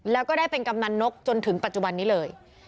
แล้วก็ได้เป็นกำนันนกจนถึงปัจจุบันนี้เลย